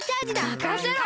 まかせろ！